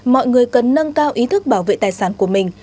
mọi người cần nâng cao ý thức bảo vệ tài sản của mình